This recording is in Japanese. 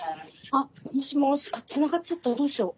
あっもしもしあっつながっちゃったどうしよう。